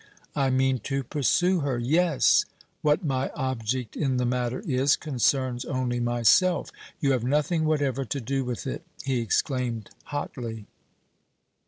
"I mean to pursue her yes! What my object in the matter is concerns only myself; you have nothing whatever to do with it!" he exclaimed, hotly.